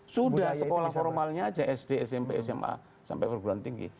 sudah sekolah formalnya aja sd smp sma sampai perguruan tinggi